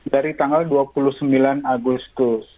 dari tanggal dua puluh sembilan agustus